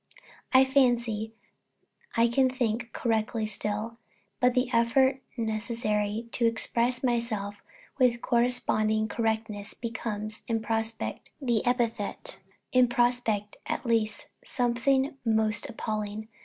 I fancy I can think correctly still; but the effort necessary to express myself with corresponding correctness becomes, in prospect, at least, sometimes almost appalling.